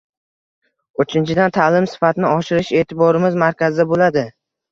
Uchinchidan, ta’lim sifatini oshirish e’tiborimiz markazida bo‘ladi.